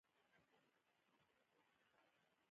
د موبایل اپلیکیشن د کرنې لپاره شته؟